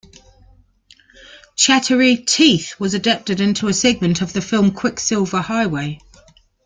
"Chattery Teeth" was adapted into a segment of the film "Quicksilver Highway".